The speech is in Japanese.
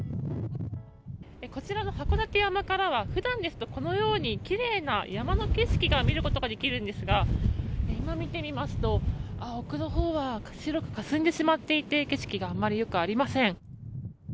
こちらの函館山からは普段ですときれいな山の景色が見ることができるんですが今、見てみますと奥のほうは白くかすんでしまっていて景色があまり良くありません。